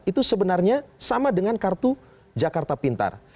itu sebenarnya sama dengan kartu jakarta pintar